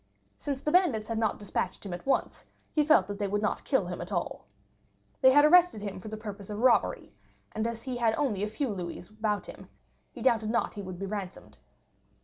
Since the bandits had not despatched him at once, he felt that they would not kill him at all. They had arrested him for the purpose of robbery, and as he had only a few louis about him, he doubted not he would be ransomed.